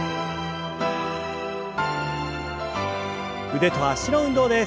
腕と脚の運動です。